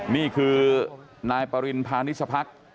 นี่คือนายปริณภานิชภักดิ์